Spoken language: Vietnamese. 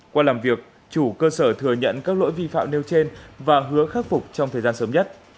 qua làm việc chủ cơ sở thừa nhận các lỗi vi phạm nêu trên và hứa khắc phục trong thời gian sớm nhất